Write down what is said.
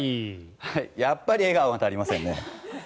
やっぱり笑顔が足りませんね。